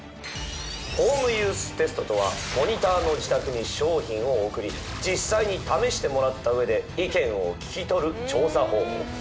ホームユーステストとはモニターの自宅に商品を送り実際に試してもらった上で意見を聞き取る調査方法。